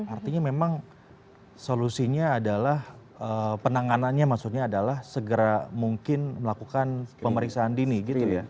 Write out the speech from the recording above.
artinya memang solusinya adalah penanganannya maksudnya adalah segera mungkin melakukan pemeriksaan dini gitu ya